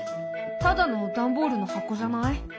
ただのダンボールの箱じゃない？